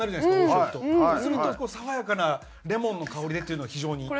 そうすると爽やかなレモンの香りでというのは非常に。